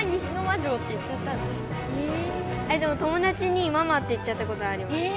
友達に「ママ」って言っちゃったことあります。